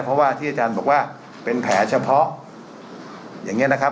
เพราะว่าที่อาจารย์บอกว่าเป็นแผลเฉพาะอย่างนี้นะครับ